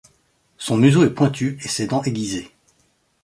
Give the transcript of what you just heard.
Son museau et pointu et ses dents aiguisées.